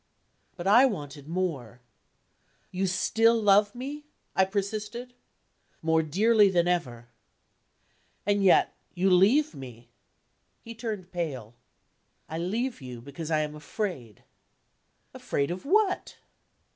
But I wanted more: "You still love me?" I persisted. "More dearly than ever!" "And yet you leave me!" He turned pale. "I leave you because I am afraid." "Afraid of what?"